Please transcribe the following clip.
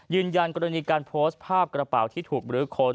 ยืนยันกรณีการโพสต์ภาพกระเป๋าที่ถูกบรื้อค้น